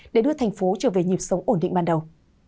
để đưa tp hcm trở về nhịp sống ổn định ban đầu